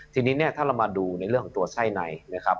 ทีนี้เนี่ยถ้าเรามาดูในเรื่องของตัวไส้ในนะครับ